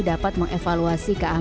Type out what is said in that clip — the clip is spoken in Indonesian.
dapat mengevaluasi keahliannya